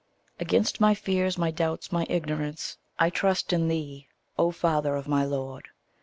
Against my fears, my doubts, my ignorance, I trust in thee, O father of my Lord!